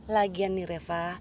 lagian nih reva